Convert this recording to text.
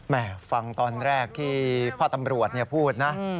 แหม่ฟังตอนแรกที่พ่อตำรวจเนี่ยพูดนะ